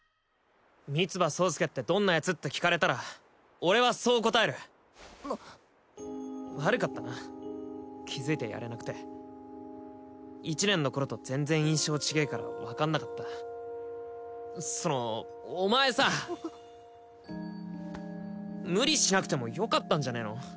三葉惣助ってどんなやつ？って聞かれたら俺はそう答える悪かったな気づいてやれなくて１年の頃と全然印象違えから分かんなかったそのお前さ無理しなくてもよかったんじゃねえの？